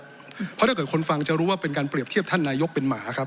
เพราะถ้าเกิดคนฟังจะรู้ว่าเป็นการเปรียบเทียบท่านนายกเป็นหมาครับ